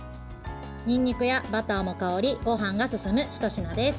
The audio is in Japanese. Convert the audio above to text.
にんにくやバターも香りごはんが進むひと品です。